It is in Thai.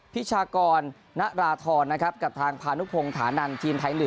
พิชากรณราธรนะครับกับทางพานุพงศานันทีมไทย๑